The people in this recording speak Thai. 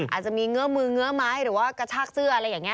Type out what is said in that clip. อาจจะมีเงื้อมือเงื้อไม้หรือว่ากระชากเสื้ออะไรอย่างนี้